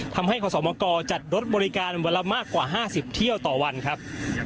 ทำให้ขอสมกจัดรถบริการมากกว่า๕๐เที่ยวต่อวันครับ